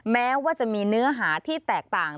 แม้ว่าจะมีเนื้อหาที่แตกต่าง